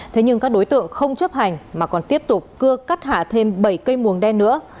thế nhưng các đối tượng không chấp hành mà còn tiếp tục cưa cắt hạ thêm bảy cây mồng đen nữa